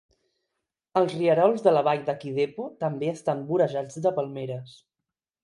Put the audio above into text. Els rierols de la vall de Kidepo també estan vorejats de palmeres.